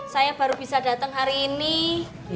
saya baru bisa datang hari ini